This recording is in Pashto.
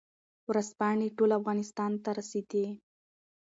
ورځپاڼې ټول افغانستان ته رسېدې.